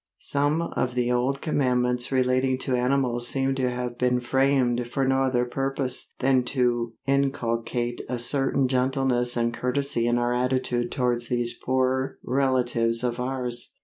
Some of the old commandments relating to animals seem to have been framed for no other purpose than to inculcate a certain gentleness and courtesy in our attitude towards these poorer relatives of ours.